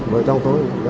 vợ chồng tôi